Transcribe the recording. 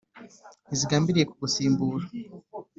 ntizigambiriye kugusimbura